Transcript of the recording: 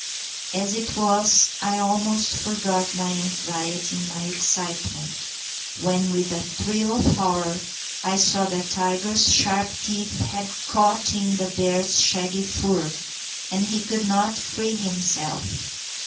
As it was, I almost forgot my anxiety in my excitement, when, with a thrill of horror, I saw that Tiger's sharp teeth had caught in the bear's shaggy fur, and he could not free himself.